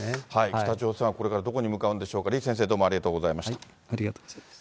北朝鮮はこれからどこに向かうんでしょうか、李先生、どうもありがとうございます。